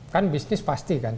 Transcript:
kan bisnis pasti kan